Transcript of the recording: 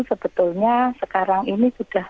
sebetulnya sekarang ini sudah